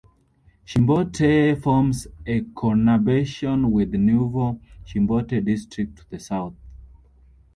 Chimbote forms a conurbation with Nuevo Chimbote District to the south.